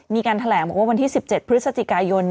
มีการแถลงบอกว่าวันที่๑๗พฤศจิกายน